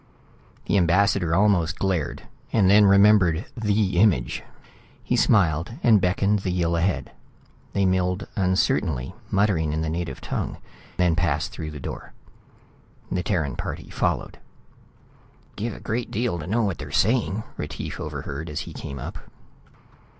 The ambassador almost glared, then remembered the image. He smiled and beckoned the Yill ahead. They milled uncertainly, muttering in the native tongue, then passed through the door. The Terran party followed. " give a great deal to know what they're saying," Retief overheard as he came up.